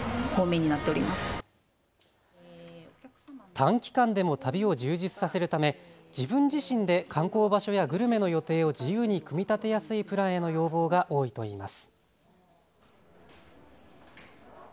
短期間でも旅を充実させるため自分自身で観光場所やグルメの予定を自由に組み立てやすいプランへの要望が多いといいます。